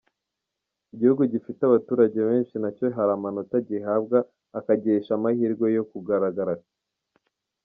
Igihugu gifite abaturage benshi na cyo hari amanota gihabwa, akagihesha amahirwe yo kugaragara.